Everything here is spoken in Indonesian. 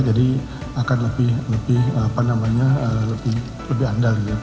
jadi akan lebih lebih apa namanya lebih lebih andal